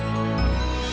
semoga udah kembali